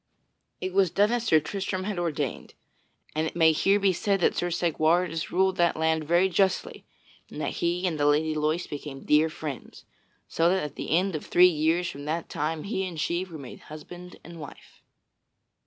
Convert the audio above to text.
So it was done as Sir Tristram had ordained. And it may here be said that Sir Segwarides ruled that land very justly and that he and the Lady Loise became dear friends, so that at the end of three years from that time he and she were made husband and wife.